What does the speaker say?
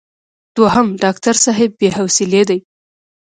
دوهم: ډاکټر صاحب بې حوصلې دی.